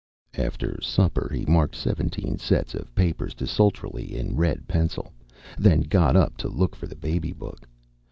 After supper, he marked seventeen sets of papers desultorily in red pencil, then got up to look for the baby book.